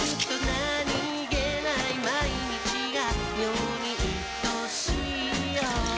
何気ない毎日が妙にいとしいよ